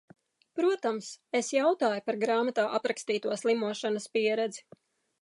Protams, es jautāju par grāmatā aprakstīto slimošanas pieredzi.